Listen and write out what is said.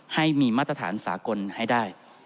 ให้มีมาตรฐานสากลให้ได้